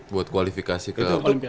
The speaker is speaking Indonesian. buat kualifikasi ke